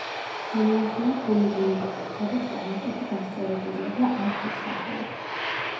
სანაოსნოა ქვემო დინებაში, სადაც კალაპოტი გასწორებულია და არხის სახე აქვს.